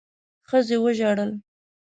ښځې وژړل.